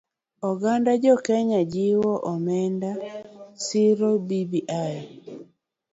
Oganda jokenya ojiw omed siro bbi.